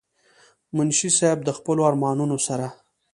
منشي صېب د خپلو ارمانونو سره